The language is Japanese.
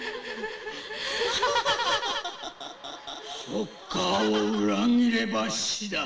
ショッカーを裏切れば死だ。